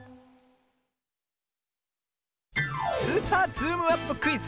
「スーパーズームアップクイズ」